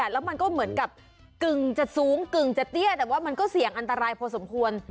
แล้วมันก็เหมือนกับกึ่งจะสูงกึ่งจะเตี้ยแต่ว่ามันก็เสี่ยงอันตรายพอสมควร